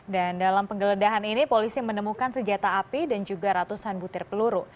dan dalam penggeledahan ini polisi menemukan senjata api dan juga ratusan butir peluru